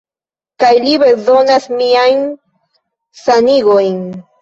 Kaj li bezonas miajn sanigojn.